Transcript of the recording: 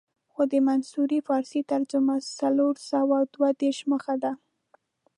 خو د منصوري فارسي ترجمه څلور سوه دوه دېرش مخه ده.